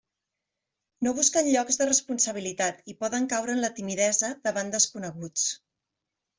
No busquen llocs de responsabilitat i poden caure en la timidesa davant desconeguts.